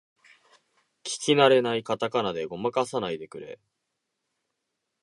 聞きなれないカタカナでごまかさないでくれ